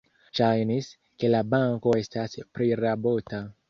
Ŝajnis, ke la banko estas prirabota.